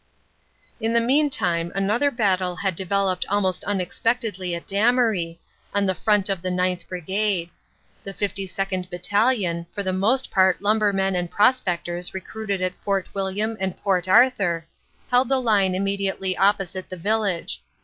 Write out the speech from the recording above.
In the meantime another battle had developed almost unex pectedly at Damery, on the front of the 9th. Brigade. The 52nd. Battalion, for the most part lumbermen and prospectors 66 CANADA S HUNDRED DAYS recruited at Fort William and Port Arthur, held the line immediately opposite the village.